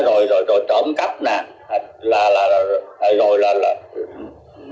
rồi trộm cắp rồi trộm cắp rồi trộm cắp rồi trộm cắp